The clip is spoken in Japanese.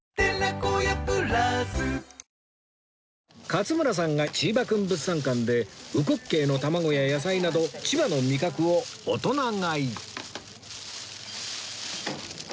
勝村さんがチーバくん物産館で烏骨鶏の卵や野菜など千葉の味覚を大人買い